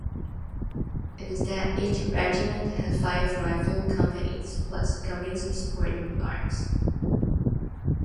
Instead each regiment had five rifle companies plus companies of supporting arms.